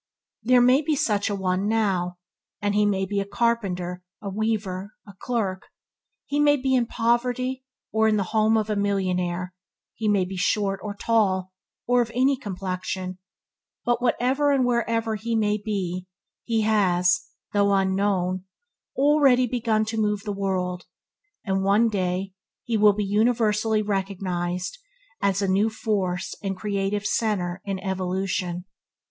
There may be such a one now, and he may be a carpenter, a weaver, a clerk; he may be in poverty or in the home of a millionaire; he may be short or tall, or of any complexion, but whatever and wherever he may be, he has, though unknown, already begun to move the world, and will one day be universally recognized at a new force and creative centre in evolution.